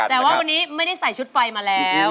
ด้านล่างเขาก็มีความรักให้กันนั่งหน้าตาชื่นบานมากเลยนะคะ